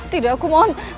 tidak aku mohon